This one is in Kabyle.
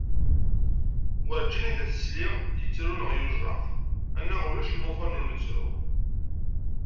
Werǧin i d as-sliɣ, yettru neɣ yujjaq, anaɣ ulac llufan ur nettru.